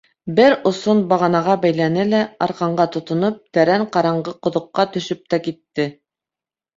Бер осон бағанаға бәйләне лә, арҡанға тотоноп, тәрән ҡараңғы ҡоҙоҡҡа төшөп тә китте.